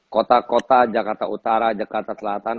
kota kota jakarta utara jakarta selatan